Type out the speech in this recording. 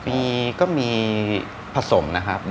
มีก็มีผสมนะครับ